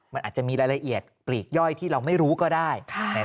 มันอาจจะมีรายละเอียดปลีกย่อยที่เราไม่รู้ก็ได้